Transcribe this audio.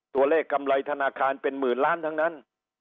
กำไรธนาคารเป็นหมื่นล้านทั้งนั้น